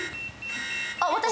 あっ私！？